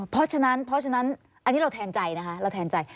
อ๋อเพราะฉะนั้นอันนี้เราแทนใจนะคะเราแทนใจ